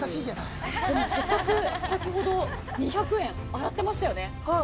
先ほど２００円洗ってましたよね。